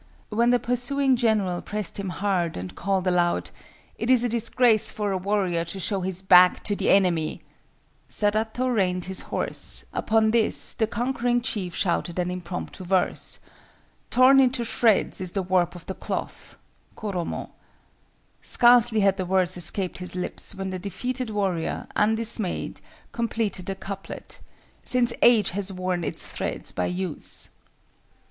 When the pursuing general pressed him hard and called aloud—"It is a disgrace for a warrior to show his back to the enemy," Sadato reined his horse; upon this the conquering chief shouted an impromptu verse— "Torn into shreds is the warp of the cloth" (koromo). Scarcely had the words escaped his lips when the defeated warrior, undismayed, completed the couplet— "Since age has worn its threads by use."